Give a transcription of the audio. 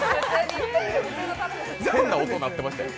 変な音、鳴ってましたよ。